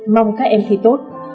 mong các em thấy tốt